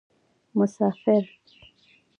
مسافر